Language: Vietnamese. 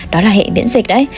đó là hệ miễn dịch đấy